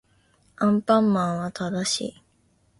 アンパンマンは正しい